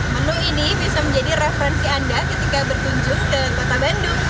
menu ini bisa menjadi referensi anda ketika berkunjung ke kota bandung